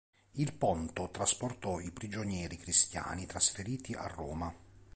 Il ponto trasportò i prigionieri cristiani trasferiti a Roma.